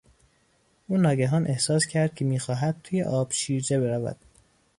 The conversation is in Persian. او ناگهان احساس کرد که میخواهد توی آب شیرجه برود.